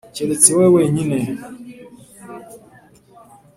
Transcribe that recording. keretse wowe wenyine?”